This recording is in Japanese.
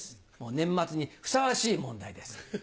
年末にふさわしい問題です。